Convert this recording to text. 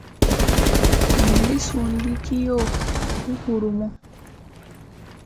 Nam li suunda kiyo u hurun mu.